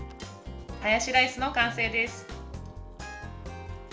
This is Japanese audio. ハヤシライスの完成です。